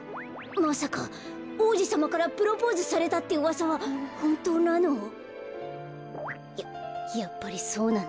まさかおうじさまからプロポーズされたってうわさはほんとうなの？ややっぱりそうなんだ。